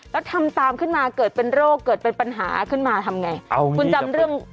แล้วทำตามขึ้นมาเกิดเป็นโรคเกิดเป็นปัญหาขึ้นมาทำไงเอาไงคุณจำเรื่อง